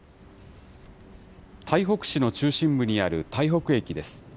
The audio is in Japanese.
台北市の中心部にある台北駅です。